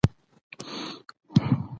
د افغانستان خامک کاری تاریخي ارزښت لري.